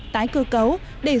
tái cực và tăng trưởng